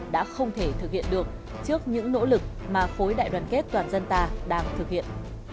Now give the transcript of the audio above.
đã không thể thực hiện được trước những nỗ lực mà khối đại đoàn kết toàn dân ta đang thực hiện